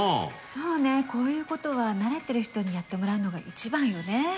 そうねこういうことは慣れてる人にやってもらうのが一番よね。